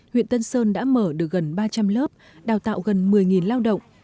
huyện tân sơn đã mở được gần ba trăm linh lớp đào tạo gần một mươi lao động